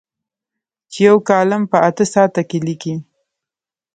چې یو کالم په اته ساعته کې لیکي.